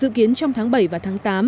dự kiến trong tháng bảy và tháng tám